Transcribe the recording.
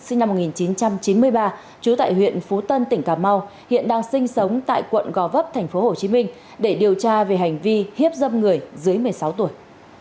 sinh năm một nghìn chín trăm chín mươi ba trú tại huyện phú tân tỉnh cà mau hiện đang sinh sống tại quận gò vấp tp hcm để điều tra về hành vi hiếp dâm người dưới một mươi sáu tuổi